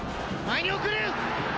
前に送る！